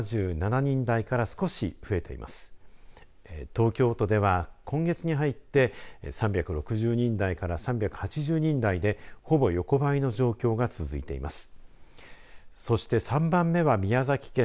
東京都では今月に入って３６０人台から３８０人台でほぼ横ばいの状況が続いています。